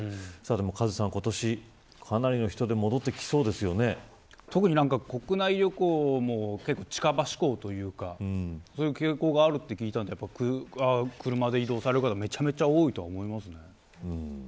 カズさん、今年かなりの人出が特に国内旅行も結構、近場志向というかそういう傾向があると聞いたので車で移動される方、めちゃめちゃ多いと思いますね。